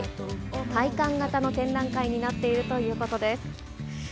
体感型の展覧会になっているということです。